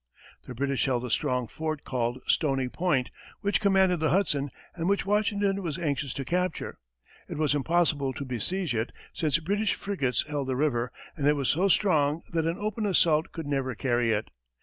The British held a strong fort called Stony Point, which commanded the Hudson and which Washington was anxious to capture. It was impossible to besiege it, since British frigates held the river, and it was so strong that an open assault could never carry it.